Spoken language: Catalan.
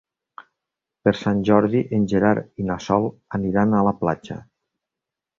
Per Sant Jordi en Gerard i na Sol aniran a la platja.